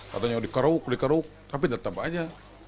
katanya dikeruk dikeruk tapi tetap aja